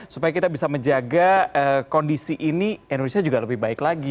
supaya kita bisa menjaga kondisi ini indonesia juga lebih baik lagi